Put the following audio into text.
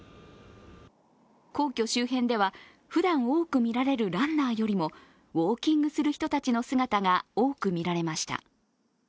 皇居周辺では、ふだん多く見られるランナーよりもウオーキングする人たちの姿が多く見られました。